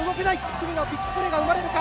守備のビッグプレーが生まれるか。